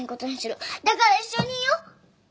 だから一緒にいよう。